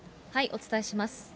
お伝えします。